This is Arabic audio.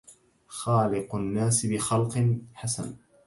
خالق الناس بخلق حسن